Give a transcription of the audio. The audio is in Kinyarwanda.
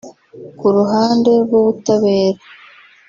Ku ruhande rw’ubutabera